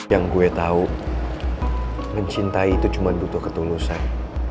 yang gue tahu mencintai itu cuma butuh ketulusan